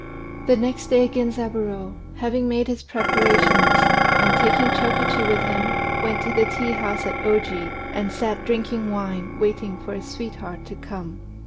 The next day Genzaburô, having made his preparations, and taking Chokichi with him, went to the tea house at Oji, and sat drinking wine, waiting for his sweetheart to come.